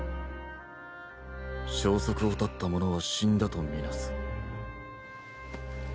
消息を絶った者は死んだと見なす。